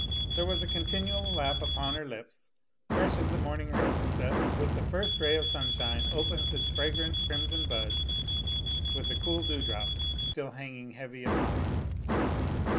There was a continual laugh upon her lips, fresh as the morning rose that, with the first ray of sunshine, opens its fragrant crimson bud with the cool dewdrops still hanging heavy upon it.